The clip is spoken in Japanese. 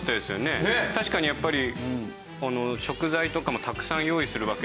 確かにやっぱり。